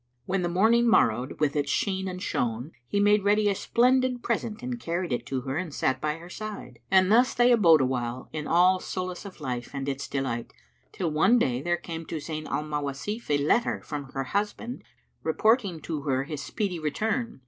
When the morning morrowed with its sheen and shone, he made ready a splendid present and carried it to her and sat by her side. And thus they abode awhile, in all solace of life and its delight, till one day there came to Zayn al Mawasif a letter from her husband reporting to her his speedy return.